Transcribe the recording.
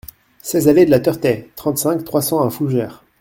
seize allée de la Teurtais, trente-cinq, trois cents à Fougères